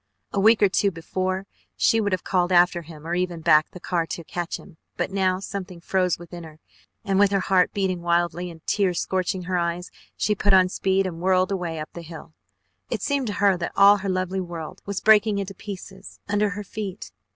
A week or two before she would have called after him, or even backed the car to catch him, but now something froze within her and with her heart beating wildly, and tears scorching her eyes, she put on speed and whirled away up the hill. It seemed to her that all her lovely world was breaking into pieces under her feet.